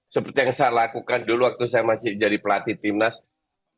seperti yang saya lakukan dulu waktu saya masih jadi pelatih timnas